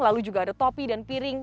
lalu juga ada topi dan piring